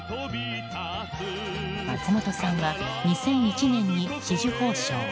松本さんは２００１年に紫綬褒章